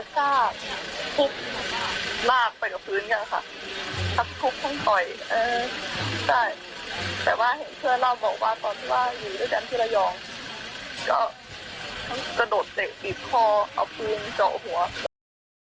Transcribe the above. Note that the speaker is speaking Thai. ทีนี้ค่ะตัวนายสุริชัยผู้ก่อเหตุให้กันกับตำรวจแบบนี้นะคะอ้างว่าก่อนจะแต่งงานกับผู้ตายเนี่ยเคยเลิกกันมาแล้วรอบหนึ่ง